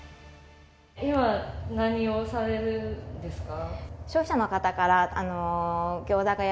今、何をされるんですか？